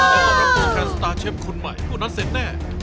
ขอต้อนรับสู่สตาเชฟคนใหม่พวกนั้นเสร็จแน่